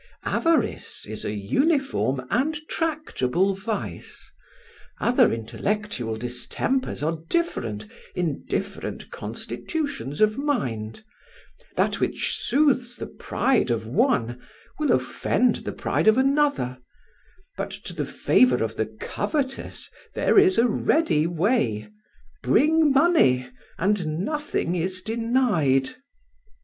Avarice is a uniform and tractable vice: other intellectual distempers are different in different constitutions of mind; that which soothes the pride of one will offend the pride of another; but to the favour of the covetous there is a ready way—bring money, and nothing is denied.